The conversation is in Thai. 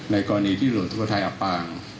ในกรณีที่เรือหลวงสุโขทัยอะปาง